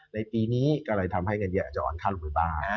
ในปีนี้ก็เลยทำให้เงินเยียนอ่อนค่าลงไปบ้าง